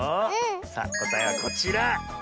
さあこたえはこちら。